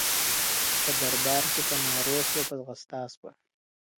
په دربار کي په نارو سوه په ځغستا سوه.